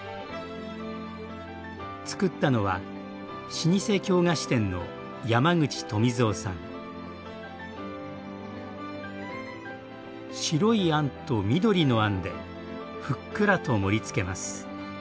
つくったのは老舗京菓子店の白いあんと緑のあんでふっくらと盛りつけます。